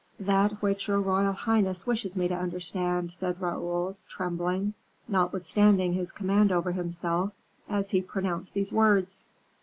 "That which your royal highness wishes me to understand," said Raoul, trembling, notwithstanding his command over himself, as he pronounced these words.